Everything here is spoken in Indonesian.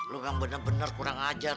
lo yang bener bener kurang ajar